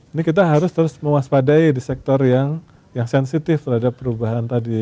ini kita harus terus mewaspadai di sektor yang sensitif terhadap perubahan tadi